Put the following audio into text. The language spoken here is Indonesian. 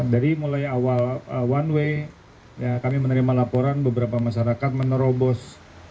dari mulai awal one way kami menerima laporan beberapa masyarakat menerobos